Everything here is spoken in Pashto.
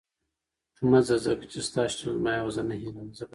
مه ځه، ځکه چې ستا شتون زما یوازینۍ هیله ده.